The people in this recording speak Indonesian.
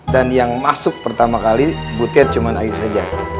dan yang masuk pertama kali butet cuma ayo saja